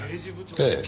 ええ。